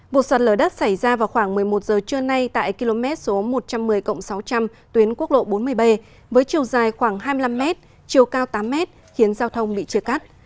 vụ sạt lở đất xảy ra vào khoảng một mươi một giờ trưa nay tại km một trăm một mươi sáu trăm linh tuyến quốc lộ bốn mươi b với chiều dài khoảng hai mươi năm m chiều cao tám m khiến giao thông bị chia cắt